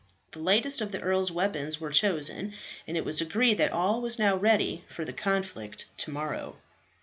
The lightest of the earl's weapons were chosen, and it was agreed that all was now ready for the conflict to morrow.